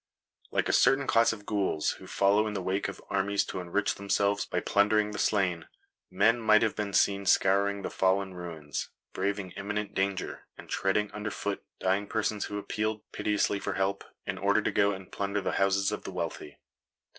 Like a certain class of ghouls who follow in the wake of armies to enrich themselves by plundering the slain, "men might have been seen scouring the fallen ruins, braving imminent danger, and treading under foot dying persons who appealed piteously for help, in order to go and plunder the houses of the wealthy.